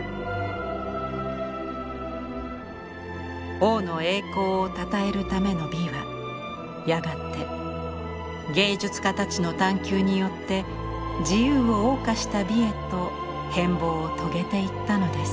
王の栄光をたたえるための美はやがて芸術家たちの探求によって自由を謳歌した美へと変貌を遂げていったのです。